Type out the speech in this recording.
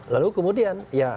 lalu kemudian ya